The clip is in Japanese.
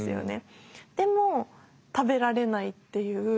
でも食べられないっていう。